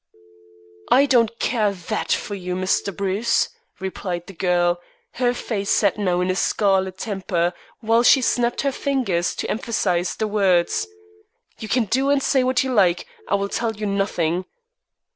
"I don't care that for you, Mr. Bruce," replied the girl, her face set now in a scarlet temper, while she snapped her fingers to emphasize the words. "You can do and say what you like, I will tell you nothing."